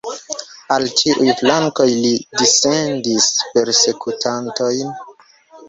Al ĉiuj flankoj li dissendis persekutantojn.